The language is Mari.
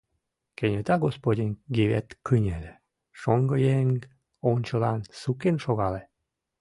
Кенета господин Гивет кынеле, шоҥгыеҥ ончылан сукен шогале.